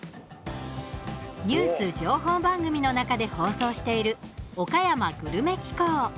ニュース情報番組の中で放送している「おかやまグルメ紀行」。